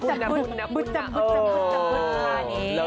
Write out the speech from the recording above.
บุ๊ดจำบุ๊ดจำบุ๊ดจำบุ๊ดจำบุ๊ด